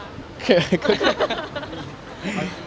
ไม่เกิน